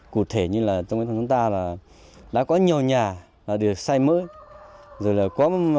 cụ thể như là trong bản thân chúng ta là đã có nhiều nhà được xây mới rồi là có hai nhà là mọi đồ ô tô